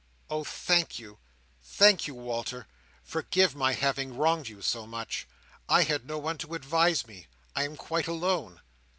"Oh thank you, thank you, Walter! Forgive my having wronged you so much. I had no one to advise me. I am quite alone."